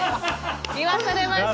言わされました。